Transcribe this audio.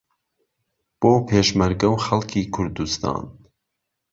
بۆ پێشمەرگەو خەڵکی کوردستان